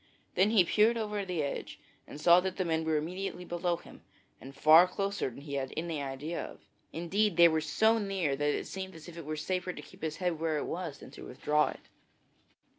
Then he peered over the edge and saw that the men were immediately below him and far closer than he had any idea of. Indeed, they were so near that it seemed as if it were safer to keep his head where it was than to withdraw it.